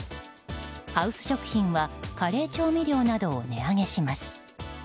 ハウス食品はカレー調味料などを値上げします。